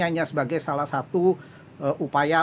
hanya sebagai salah satu upaya